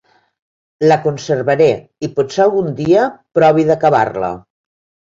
La conservaré i potser algun dia provi d'acabar-la.